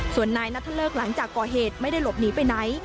ส่วนนายนัทเลิกหลังจากก่อเหตุไม่ได้หลบหนีไปไหน